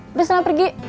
terus kenapa pergi